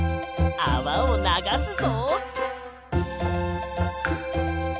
あわをながすぞ。